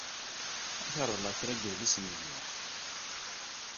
Ad ak-reḍleɣ kra n yedlisen n gma.